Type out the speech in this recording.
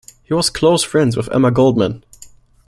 He was close friends with Emma Goldman.